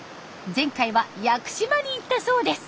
前回は屋久島に行ったそうです。